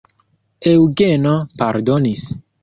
Eŭgeno pardonis.